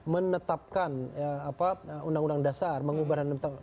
menetapkan undang undang dasar mengubah hendam tanggung jawab